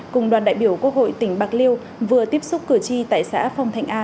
cùng đoàn đại biểu quốc hội tỉnh bạc liêu vừa tiếp xúc cửa chi tại xã phong thạnh a